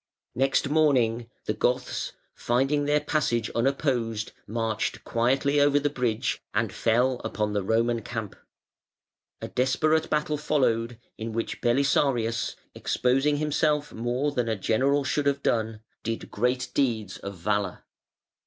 Next morning the Goths finding their passage unopposed, marched quietly over the bridge and fell upon the Roman camp. A desperate battle followed, in which Belisarius, exposing himself more than a general should have done, did great deeds of valour.